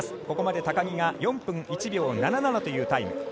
ここまで高木が４分１秒７７というタイム。